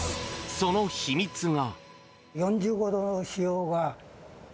その秘密が。